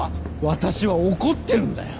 私は怒ってるんだよ。